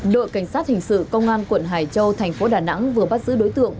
đội cảnh sát hình sự công an quận hải châu thành phố đà nẵng vừa bắt giữ đối tượng